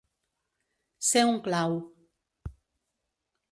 Ser un clau.